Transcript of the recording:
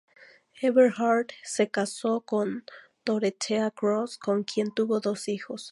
Eberhard se casó con Dorothea Gross, con quien tuvo dos hijos.